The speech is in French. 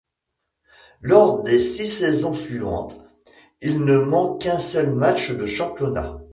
Lors des six saisons suivantes, il ne manque qu'un seul match de championnat.